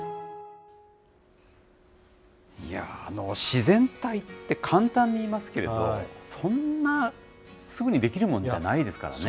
自然体って簡単に言いますけれど、そんなすぐにできるもんじゃないですからね。